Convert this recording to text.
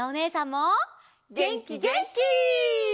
げんきげんき！